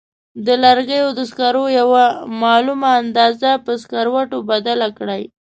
د لرګو د سکرو یوه معلومه اندازه په سکروټو بدله کړئ.